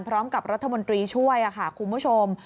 พร้อมกับรัฐมนตรีช่วยค่ะคุณผู้ชม